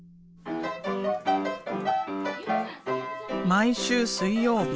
毎週水曜日。